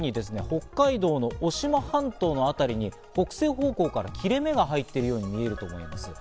このときに北海道の渡島半島の辺りに北西方向から切れ目が入っているように見えるということなんです。